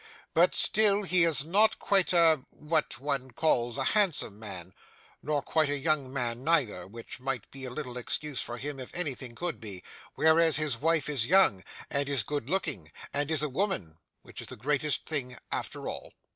But still he is not quite a what one calls a handsome man, nor quite a young man neither, which might be a little excuse for him if anything could be; whereas his wife is young, and is good looking, and is a woman which is the greatest thing after all.